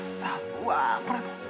うわこれ。